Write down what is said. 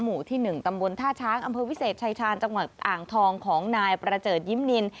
หมู่ที่๑ตำบลท่าช้างอำเภอวิเศษชายชาญจังหวัดอ่างทองของนายประเจิดยิ้มนิน